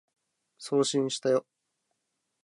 送信したよ